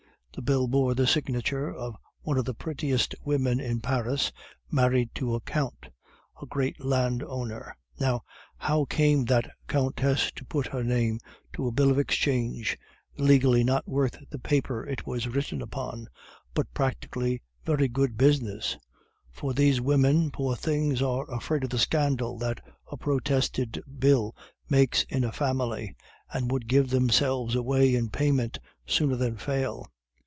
The bill bore the signature of one of the prettiest women in Paris, married to a Count, a great landowner. Now, how came that Countess to put her name to a bill of exchange, legally not worth the paper it was written upon, but practically very good business; for these women, poor things, are afraid of the scandal that a protested bill makes in a family, and would give themselves away in payment sooner than fail?